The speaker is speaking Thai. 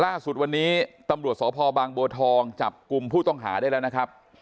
ล่าสุดวันนี้ตำรวจสพบางบัวทองจับกลุ่มผู้ต้องหาได้แล้วนะครับ